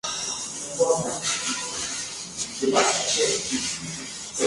Entonces con catorce años, escribió e ilustró "Histoires de nos jeux".